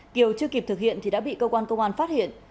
kiều chưa kịp thực hiện thì đã bị cơ quan công an phát hiện